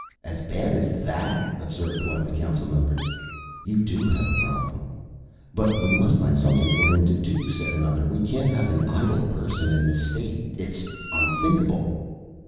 "As bad as that?" observed one of the council members. "You do have a problem." "But we must find something for him to do," said another. "We can't have an idle person in the State. It's unthinkable."